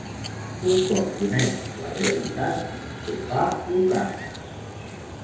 Un cop coneix la realitat, què fa Iocasta?